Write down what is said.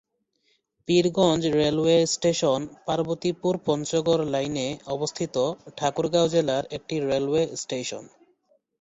Pirganj railway station Parbatipur-Panchagarh লাইনে অবস্থিত ঠাকুরগাঁও জেলার একটি রেলওয়ে স্টেশন।